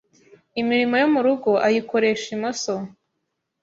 imirimo yo mu rugo ayikoresha imoso.